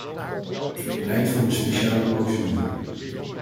Ik pleit voor een speciale procedure.